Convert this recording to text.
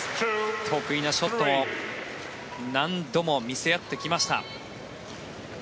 得意なショットも何度も見せ合ってきました。